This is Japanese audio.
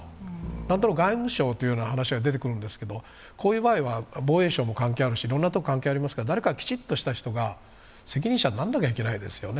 なんとなく外務省という話が出てくるんですけどこういう場合は防衛省も関係あるし、いろんなところが関係あるから、誰かきちんとした人が責任者にならないといけないですよね。